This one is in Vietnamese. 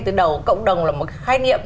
từ đầu cộng đồng là một cái khái niệm